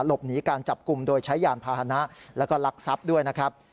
หลบหนีการจับกลุ่มโดยใช้ยานพาหนะแล้วก็ลักทรัพย์ด้วยนะครับ